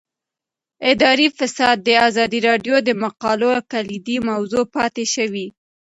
اداري فساد د ازادي راډیو د مقالو کلیدي موضوع پاتې شوی.